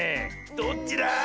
どっちだ